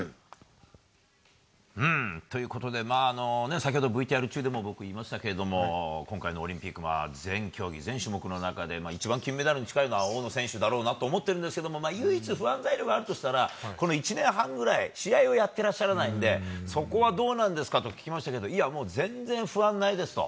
先ほどＶＴＲ中でも僕、言いましたけど今回のオリンピックは全競技、全種目の中で一番金メダルに近いのは大野選手だろうなと思ってるんですけれども唯一、不安材料があるとしたらこの１年半ぐらい試合をやっていらっしゃらないのでそこはどうなんですかと聞きましたけどいや、全然不安ないですと。